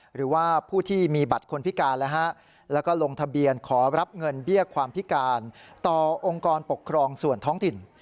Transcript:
หรือว่าผู้ที่มีบัตรคนพิการแล้วก็ลงทะเบียนขอรับเงินเบี้ยความพิการต่อองค์กรปกครองส่วนท้องถิ่น